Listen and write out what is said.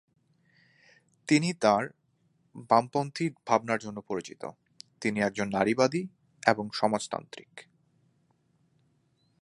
তিনি তাঁর বামপন্থী ভাবনার জন্য পরিচিত, তিনি একজন নারীবাদী এবং সমাজতান্ত্রিক।